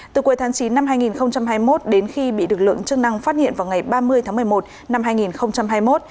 từ cuối tháng chín năm hai nghìn hai mươi một đến khi bị lực lượng chức năng phát hiện vào ngày ba mươi tháng một mươi một năm hai nghìn hai mươi một